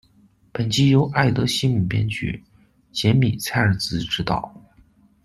本集由艾德·希姆编剧，杰米·蔡尔兹执导。